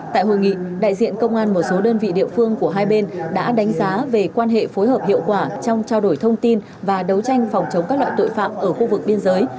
tại hội nghị đại diện công an một số đơn vị địa phương của hai bên đã đánh giá về quan hệ phối hợp hiệu quả trong trao đổi thông tin và đấu tranh phòng chống các loại tội phạm ở khu vực biên giới